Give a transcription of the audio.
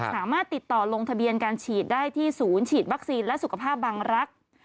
สามารถติดต่อลงทะเบียนการฉีดได้ที่ศูนย์ฉีดวัคซีนและสุขภาพบังรักษ์